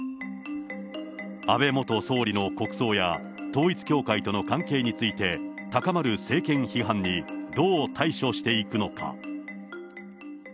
安倍元総理の国葬や統一教会との関係について、高まる政権批判にどう対処していくのか。